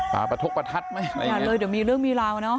ปลาประทกประทัดไหมอะไรอ่ะเลยเดี๋ยวมีเรื่องมีราวเนอ